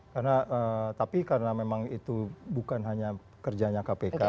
karena tapi karena memang itu bukan hanya kerjanya kpk